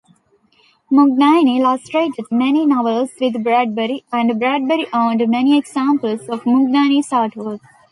Mugnaini illustrated many novels with Bradbury, and Bradbury owned many examples of Mugnaini's artwork.